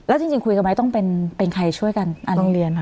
แล้วจริงคุยกันไหมต้องเป็นใครช่วยกันอ่านโรงเรียนค่ะ